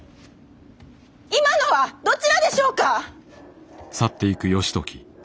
今のはどちらでしょうか！